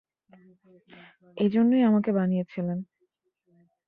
এজন্যই, আমাকে বানিয়েছিলেন।